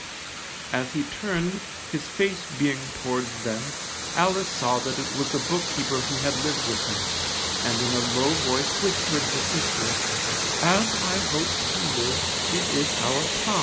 As he turned, his face being towards them, Alice saw that it was the book keeper who had lived with her, and in a low voice whispered her sister, _As I hope to live, it is our Tom.